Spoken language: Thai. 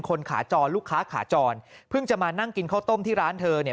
ขาจรลูกค้าขาจรเพิ่งจะมานั่งกินข้าวต้มที่ร้านเธอเนี่ย